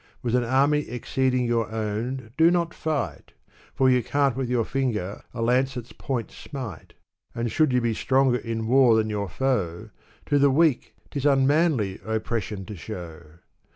With an army exceeding your own, do not fight ! For you can't with your finger a lancet's point smite. And should you be stronger in war than your foe, To the weak, 'tis unmanly oppression to show